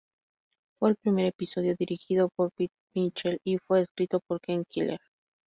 Fue el primer episodio dirigido por Pete Michels y fue escrito por Ken Keeler.